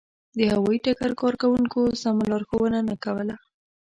د هوایي ډګر کارکوونکو سمه لارښوونه نه کوله.